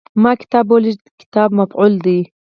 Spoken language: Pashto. ما کتاب ولېږه – "کتاب" مفعول دی.